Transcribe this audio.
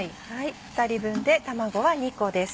２人分で卵は２個です。